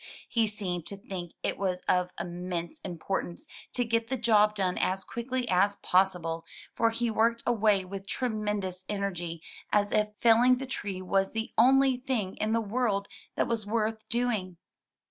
He seemed to think it was of immense importance to get the job done as quickly as possible, for he worked away with tremendous energy as if fell ing that tree was the only thing in the world that was worth doing.